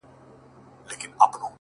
• خو زه مړ یم د ژوندیو برخه خورمه ,